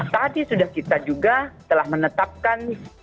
tadi sudah kita juga telah menetapkan